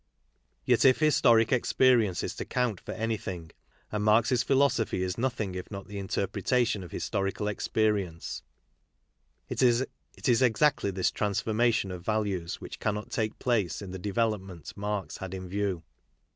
Yet, if historic experience is to count for anything — and Marx's philosophy is nothing if not the interpreta tion of historical experience — it is exactly this trans formation of values which cannot take place in the development Marx had in view.